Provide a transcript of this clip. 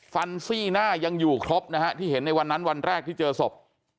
ซี่หน้ายังอยู่ครบนะฮะที่เห็นในวันนั้นวันแรกที่เจอศพ